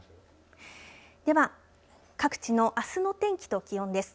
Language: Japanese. では各地のあすの天気と気温です。